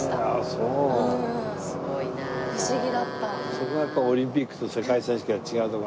そこがやっぱオリンピックと世界選手権の違うとこなんだ。